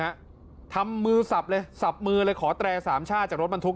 ฮะทำมือสับเลยสับมือเลยขอแตรสามชาติจากรถบรรทุก